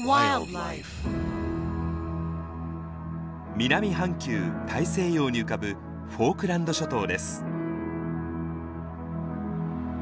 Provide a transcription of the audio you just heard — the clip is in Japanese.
南半球大西洋に浮かぶフォークランド諸島です。